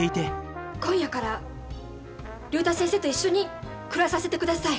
今夜から竜太先生と一緒に暮らさせてください！